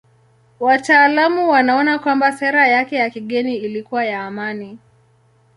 Wataalamu wanaona kwamba sera yake ya kigeni ilikuwa ya amani.